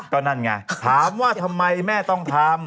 ก็นั่นไงถามว่าทำไมแม่ต้องทำ